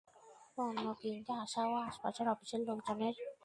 পণ্য কিনতে আসা ও আশপাশের অফিসের লোকজনের ব্যক্তিগত গাড়িও সড়কে রাখা থাকে।